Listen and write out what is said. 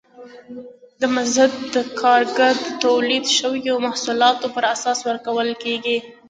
دا مزد د کارګر د تولید شویو محصولاتو پر اساس ورکول کېږي